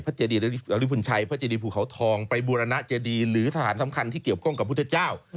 พระเจดีหลักฤทธิ์ฝุ่นชัยพระเจดีภูเขาทองไปบูรณะเจดีหรือสถานสำคัญที่เกี่ยวกับพระพุทธเจ้า